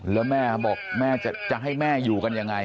แล้วแม่บอกแม่จะให้แม่อยู่กันยังไง